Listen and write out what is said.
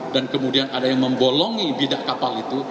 dan kemudian ada yang membolongi bidak kapal itu